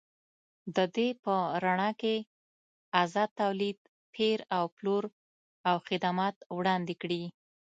د دې په رڼا کې ازاد تولید، پېر او پلور او خدمات وړاندې کړي.